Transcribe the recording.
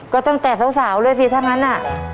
ก็ตั้งแต่สาวเลยสิถ้างั้นน่ะ